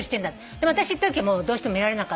でも私行ったときはどうしても見られなかったの。